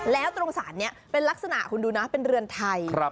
แล้วตรงศาลนี้เป็นลักษณะคุณดูนะเป็นเรือนไทย